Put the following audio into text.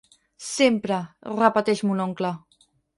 Sempre, repeteix mon oncle.